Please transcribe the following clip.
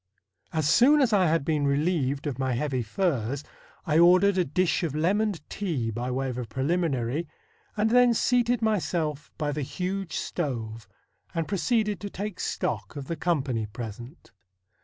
As soon as I had been relieved of my heavy furs, I ordered a dish of lemoned tea by way of a preliminary, and then seated myself by the huge stove and proceeded to take stock of the company present.